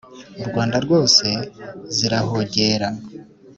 u rwanda rwose zirahogera,